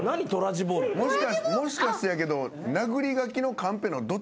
もしかしてやけど。